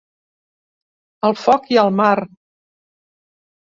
El foc i el mar.